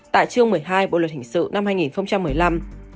tại chương một mươi hai bộ luật hình sự năm hai nghìn một mươi năm